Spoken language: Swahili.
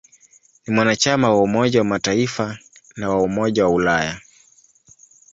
Ni mwanachama wa Umoja wa Mataifa na wa Umoja wa Ulaya.